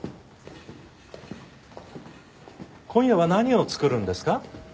今夜は何を作るんですか？